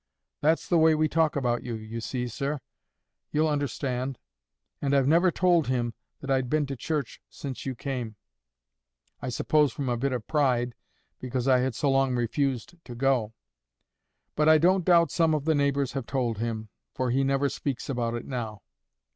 That's the way we talk about you, you see, sir. You'll understand. And I've never told him that I'd been to church since you came—I suppose from a bit of pride, because I had so long refused to go; but I don't doubt some of the neighbours have told him, for he never speaks about it now.